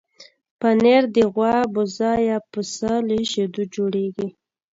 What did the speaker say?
پنېر د غوا، بزه یا پسې له شیدو جوړېږي.